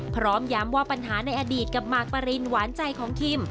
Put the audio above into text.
พร้อมย้ำว่าปัญหาในอดีตกับมากปรินหวานใจของคิม